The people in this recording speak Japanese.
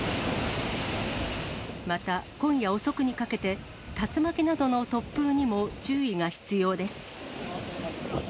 また、今夜遅くにかけて、竜巻などの突風にも注意が必要です。